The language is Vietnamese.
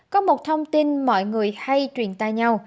có một thông tin mọi người hay truyền tay nhau